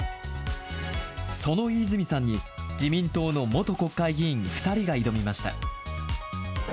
その飯泉さんに自民党の元国会議員２人が挑みました。